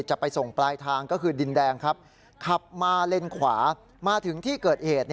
จะไปส่งปลายทางก็คือดินแดงครับขับมาเลนขวามาถึงที่เกิดเหตุ